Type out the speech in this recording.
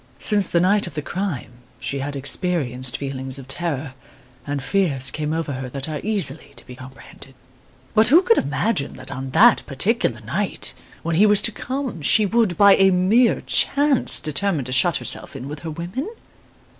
Since the night of the crime she had experienced feelings of terror, and fears came over her that are easily to be comprehended. "But who could imagine that on that particular night when he was to come, she would, by a mere chance, determine to shut herself in with her women?